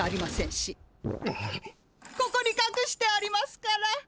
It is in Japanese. ここにかくしてありますから！